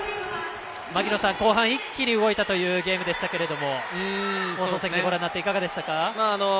槙野さん、後半一気に動いたゲームでしたけども放送席でご覧になっていかがでしたか？